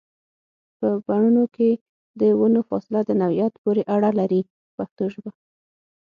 په بڼونو کې د ونو فاصله د نوعیت پورې اړه لري په پښتو ژبه.